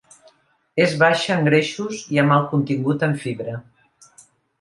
És baixa en greixos i amb alt contingut en fibra.